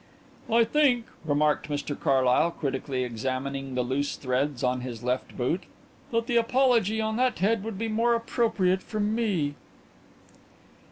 "I think," remarked Mr Carlyle, critically examining the loose threads on his left boot, "that the apology on that head would be more appropriate from me."